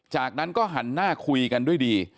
จากนั้นก็หันหน้าคุยกันด้วยดี